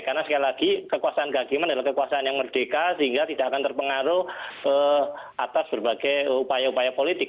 karena sekali lagi kekuasaan kehakiman adalah kekuasaan yang merdeka sehingga tidak akan terpengaruh atas berbagai upaya upaya politik